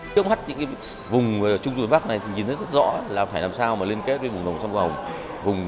trước mắt những vùng trung du bắc này thì nhìn thấy rất rõ là phải làm sao mà liên kết với vùng đồng sông hồng